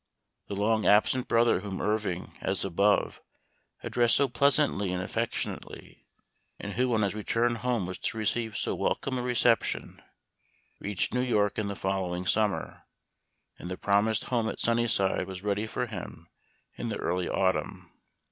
The long absent brother whom Irving, as above, addressed so pleasantly and affectionately, and who on his return home was to receive so wel come a reception, reached New York in the fol lowing summer, and the promised home at " Sunnyside" was ready for him in the early autumn.